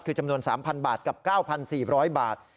คือจำนวน๓๐๐บาทกับ๙๔๐๐บาท